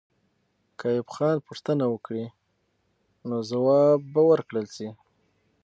که ایوب خان پوښتنه وکړي، نو ځواب به ورکړل سي.